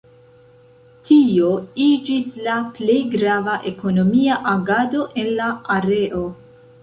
Tio iĝis la plej grava ekonomia agado en la areo.